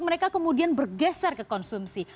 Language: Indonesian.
mereka kemudian bergeser ke konsumsi